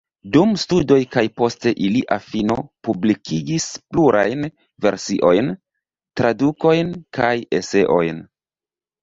Dum studoj kaj post ilia fino publikigis plurajn versojn, tradukojn kaj eseojn.